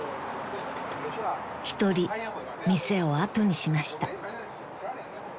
［一人店を後にしました］